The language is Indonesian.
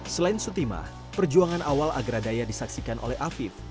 selain sutimah perjuangan awal agradaya disaksikan oleh afif